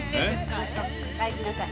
ちょっと返しなさい。